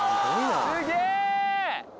すげえ！